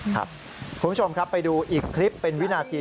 คุณผู้ชมครับไปดูอีกคลิปเป็นวินาที